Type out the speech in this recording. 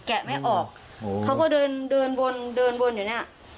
แกะไม่ออกเขาก็เดินเดินวนเดินวนอยู่เนี้ย